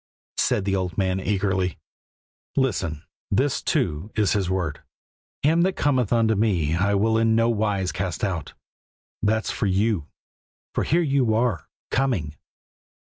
said the old man eagerly. "Listen; this, too, is His word: 'Him that cometh unto Me I will in no wise cast out.' That's for you, for here you are, coming."